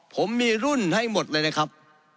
ผมมีรุ่นให้หมดเลยนะครับ